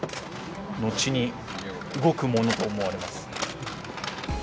後に動くものと思われます。